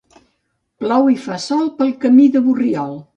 Plou i fa sol pel camí de Borriol.